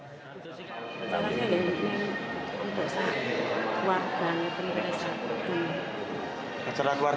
ini adalah yang diperlukan oleh keluarga